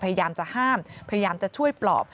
พยายามจะห้ามพยายามจะช่วยปลอบ